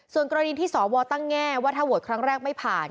ส่วนกรณีที่สวตั้งแง่ว่าถ้าโหวตครั้งแรกไม่ผ่าน